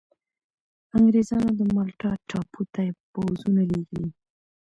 انګرېزانو د مالټا ټاپو ته پوځونه لېږلي.